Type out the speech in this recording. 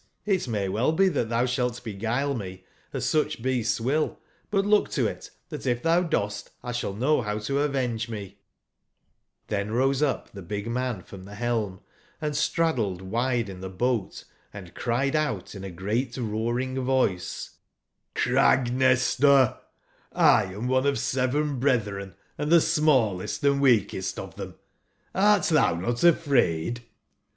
tt may well be that thou sbalt beguile me, as such beasts will; but look to it, that if thou dost 1 shall know bow to avenge me'' j^XTben rose up the big man from tbe helm, and straddled wide in tbe boat, and criedout in a great roaring voice: "Crag/n ester, 1 am one of seven brethren, and tbe smallest and weakest of them. Hrt thou not afraid?"